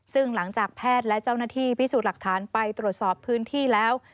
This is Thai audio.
ซึ่งหลังจากแพทย์และเจ้าหน้าที่พิสูจน์หลักฐานไปตรวจสอบพื้นที่แล้ว